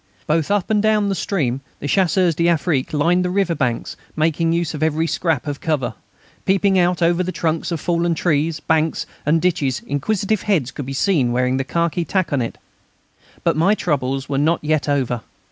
Both up and down stream the Chasseurs d'Afrique lined the river banks, making use of every scrap of cover. Peeping out over trunks of fallen trees, banks, and ditches inquisitive heads could be seen wearing the khaki taconnet. But my troubles were not yet over.